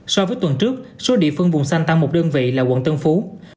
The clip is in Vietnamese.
so với tuần trước số địa phương vùng xanh tăng một đơn vị là quận tân phú